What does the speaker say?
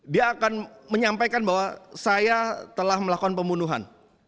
dia akan menyampaikan bahwa saya telah melakukan pembunuhan